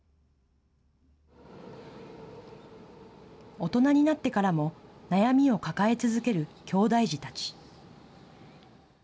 大人になってからも悩みを抱え続けるきょうだい児たち。